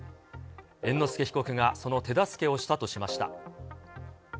猿之助被告がその手助けをしたとしました。